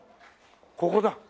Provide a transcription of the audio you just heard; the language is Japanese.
ここだ。